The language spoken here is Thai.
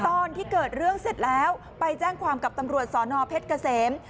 ตอนที่เกิดเรื่องเสร็จแล้วไปแจ้งความกับตำรวจสอนอเพชรเกษม